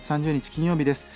金曜日です。